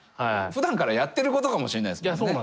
ふだんからやってることかもしれないですもんね。